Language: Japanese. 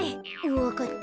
わかった。